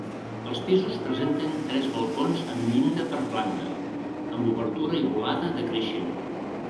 Els pisos presenten tres balcons amb llinda per planta, amb obertura i volada decreixent.